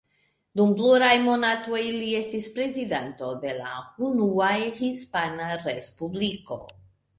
Dum pluraj monatoj li estis prezidento de la Unua Hispana Respubliko.